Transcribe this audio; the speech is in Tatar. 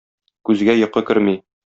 Күзгә йокы керми.